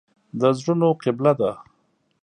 د زړونو قبله ده.